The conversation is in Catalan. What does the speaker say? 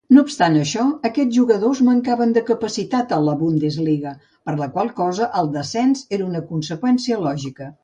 No obstant això, aquests jugadors mancaven de capacitat en la Bundesliga, per la qual cosa el descens era una conseqüència lògica.